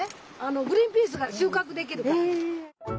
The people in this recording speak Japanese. グリーンピースが収穫できるから。